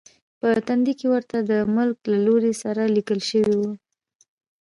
په تندي کې ورته د ملک د لور سره لیکل شوي و.